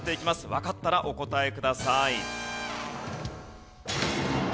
わかったらお答えください。